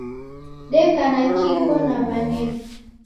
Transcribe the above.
Deka na Kiko na wanedu